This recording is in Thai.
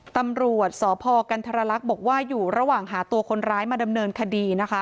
ตำรวจสพกันทรลักษณ์บอกว่าอยู่ระหว่างหาตัวคนร้ายมาดำเนินคดีนะคะ